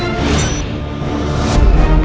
aku akan menang